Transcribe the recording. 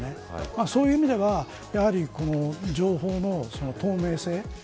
そういう意味では情報の透明性